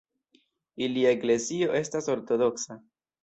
Ilia eklezio estas ortodoksa.